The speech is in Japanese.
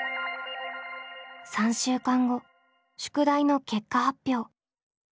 ３週間後宿題の結果発表。